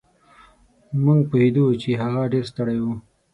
مونږ پوهېدو چې هغه ډېر ستړی و.